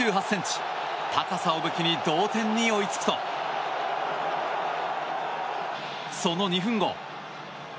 高さを武器に同点に追いつくとその２分後。